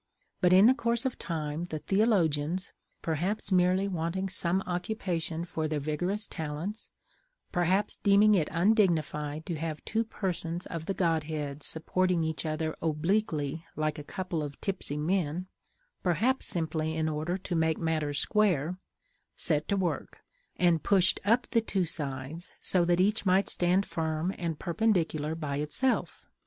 But in course of time the theologians (perhaps merely wanting some occupation for their vigorous talents, perhaps deeming it undignified to have two persons of the godhead supporting each other obliquely like a couple of tipsy men, perhaps simply in order to make matters square) set to work, and pushed up the two sides, so that each might stand firm and perpendicular by itself.